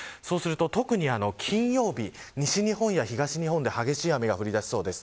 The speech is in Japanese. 特に金曜日、西日本や東日本で激しい雨が降りだしそうです。